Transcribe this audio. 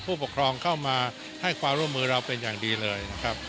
ผู้ปกครองเข้ามาให้ความร่วมมือเราเป็นอย่างดีเลยนะครับ